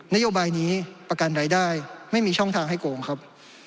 นโยบายนี้ประกันรายได้ไม่มีช่องทางให้โกงครับ